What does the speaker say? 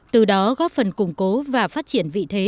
từ đó góp phần củng cố và phát triển vị thế